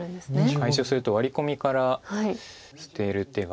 解消するとワリコミから捨てる手が。